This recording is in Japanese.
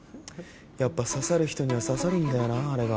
やっぱ刺さる人には刺さるんだよなあれが。